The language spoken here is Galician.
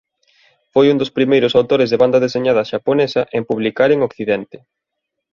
Foi un dos primeiros autores de banda deseñada xaponesa en publicar en occidente.